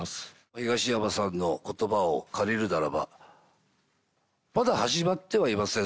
東山さんのことばを借りるならば、まだ始まってはいません。